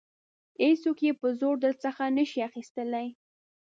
هیڅوک یې په زور درڅخه نشي اخیستلای.